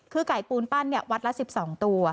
คือไก่ปูนปั้นวัดละ๑๒ตัว